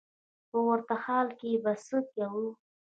په ورته حال کې به څه کوې.